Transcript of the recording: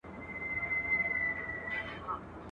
ورمعلومي وې طالع د انسانانو.